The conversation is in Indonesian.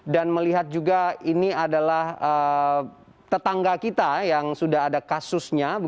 dan melihat juga ini adalah tetangga kita yang sudah ada kasusnya